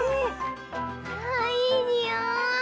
ああいいにおい！